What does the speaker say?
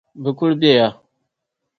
Bɛ kuli bɛ ya.